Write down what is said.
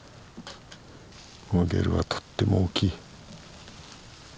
このゲルはとっても大きい。